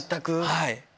はい。